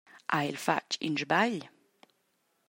Ha el fatg in sbagl?